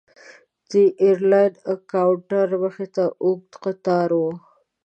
د ایرلاین د کاونټر مخې ته اوږد کتار و.